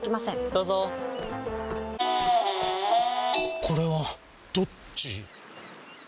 どうぞこれはどっち？